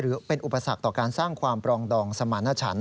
หรือเป็นอุปสรรคต่อการสร้างความปรองดองสมารณชัน